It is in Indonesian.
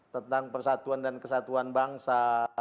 tentang persatuan dan kesatuan bangsa